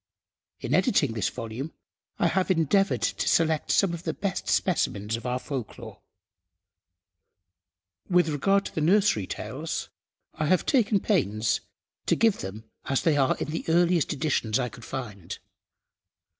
In editing this volume I have endeavoured to select some of the best specimens of our Folklore. With regard to the nursery tales, I have taken pains to give them as they are in the earliest editions I could find.